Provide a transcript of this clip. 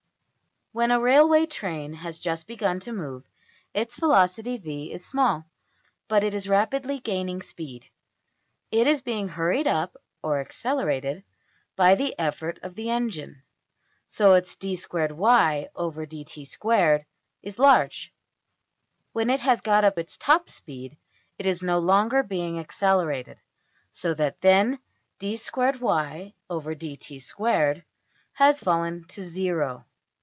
When a railway train has just begun to move, its velocity~$v$ is small; but it is rapidly gaining speed it is being hurried up, or accelerated, by the effort of the engine. So its $\dfrac{d^2y}{dt^2}$ is large. When it has got up its top speed it is no longer being accelerated, so that then $\dfrac{d^2y}{dt^2}$ has fallen to zero.